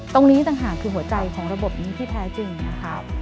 ตรงนี้ต่างหากคือหัวใจของระบบนี้ที่แท้จริงนะคะ